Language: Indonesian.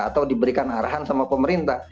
atau diberikan arahan sama pemerintah